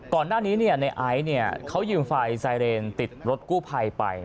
ก่อนหน้านี้ในไอซ์เขายืมไฟไซเรนติดรถกู้ภัยไป